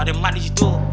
ada mbak di situ